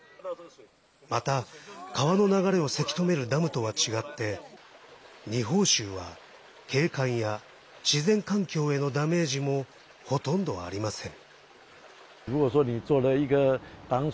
また、川の流れをせき止めるダムとは違って、二峰しゅうは景観や自然環境へのダメージもほとんどありません。